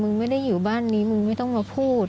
ไม่ได้อยู่บ้านนี้มึงไม่ต้องมาพูด